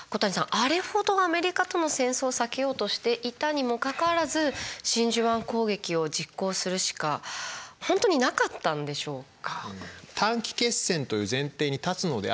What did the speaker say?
あれほどアメリカとの戦争を避けようとしていたにもかかわらず真珠湾攻撃を実行するしか本当になかったんでしょうか？